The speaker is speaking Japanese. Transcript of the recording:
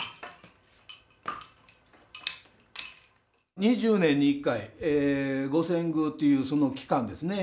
２０年に１回御遷宮というその期間ですね。